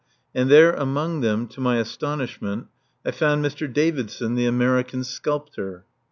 And there among them, to my astonishment, I found Mr. Davidson, the American sculptor.